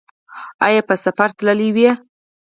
ایا په سفر تللي وئ؟